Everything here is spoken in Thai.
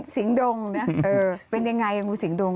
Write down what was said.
สิงดงนะเป็นยังไงงูสิงดง